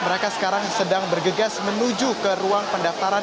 mereka sekarang sedang bergegas menuju ke ruang pendaftaran